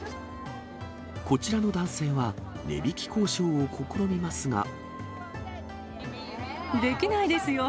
こちらの男性は値引き交渉をできないですよ。